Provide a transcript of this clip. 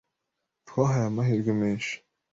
Twahaye amahirwe menshi.